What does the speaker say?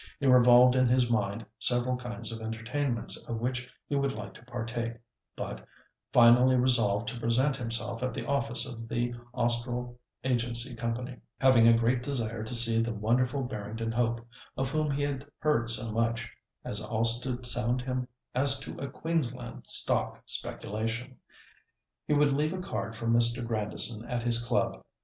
He revolved in his mind several kinds of entertainments of which he would like to partake, but finally resolved to present himself at the office of the Austral Agency Company, having a great desire to see the wonderful Barrington Hope, of whom he had heard so much, as also to sound him as to a Queensland stock speculation. He would leave a card for Mr. Grandison at his club.